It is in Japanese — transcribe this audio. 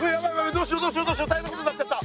どうしようどうしよう大変なことになっちゃった。